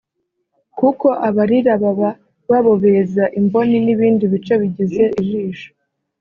kuko abarira baba babobeza imboni n’ibindi bice bigize ijisho